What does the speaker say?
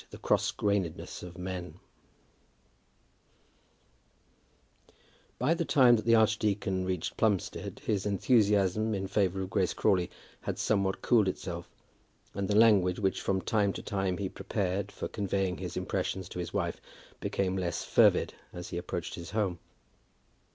THE CROSS GRAINEDNESS OF MEN. By the time that the archdeacon reached Plumstead his enthusiasm in favour of Grace Crawley had somewhat cooled itself; and the language which from time to time he prepared for conveying his impressions to his wife, became less fervid as he approached his home.